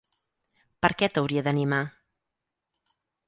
Per què t'hauria d'animar?